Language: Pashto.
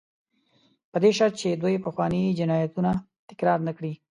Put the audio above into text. په دې شرط چې دوی پخواني جنایتونه تکرار نه کړي.